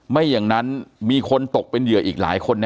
ไม่อย่างนั้นมีคนตกเป็นเหยื่ออีกหลายคน